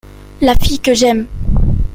La fille que j’aime.